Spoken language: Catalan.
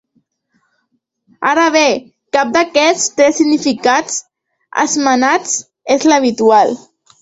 Ara bé, cap d’aquests tres significats esmenats és l’habitual.